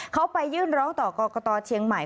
เขาไปยื่นร้องต่อกรกตเชียงใหม่